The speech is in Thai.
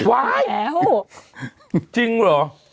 แห่วจริงเหรอ